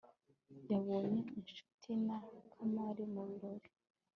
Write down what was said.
yabonye inshuti na kamari mu birori